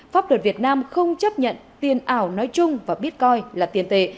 pháp luật việt nam không chấp nhận tiền ảo nói chung và bitcoin là tiền tệ